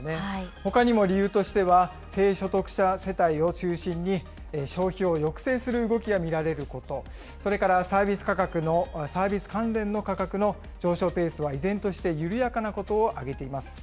ほかにも理由としては、低所得者世帯を中心に、消費を抑制する動きが見られること、それからサービス価格の、サービス関連の価格の上昇ペースは依然として緩やかなことを挙げています。